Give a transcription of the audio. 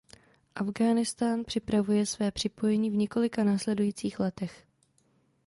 Afghánistán připravuje své připojení v několika následujících letech.